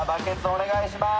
お願いします。